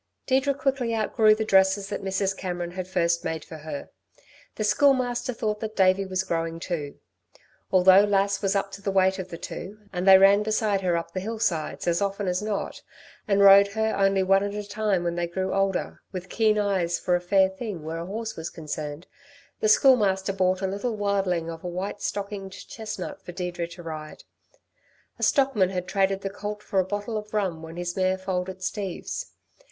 Deirdre quickly outgrew the dresses that Mrs. Cameron had first made for her. The Schoolmaster thought that Davey was growing too. Although Lass was up to the weight of the two, and they ran beside her up the hillsides as often as not, and rode her only one at a time as they grew older, with keen eyes for a fair thing where a horse was concerned, the Schoolmaster bought a little wilding of a white stockinged chestnut for Deirdre to ride. A stockman had traded the colt for a bottle of rum when his mare foaled at Steve's.